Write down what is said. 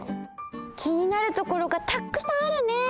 気になるところがたくさんあるね！